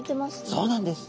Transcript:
そうなんです。